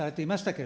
けれ